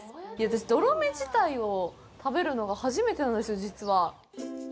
私、ドロメ自体を食べるのが初めてなんですよ、実は。